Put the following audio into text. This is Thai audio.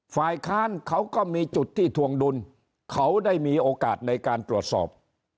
ฝ่ายค้านเขาก็มีจุดที่ทวงดุลเขาได้มีโอกาสในการตรวจสอบ